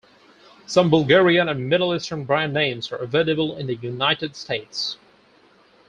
Some Bulgarian and Middle Eastern brand-names are available in the United States.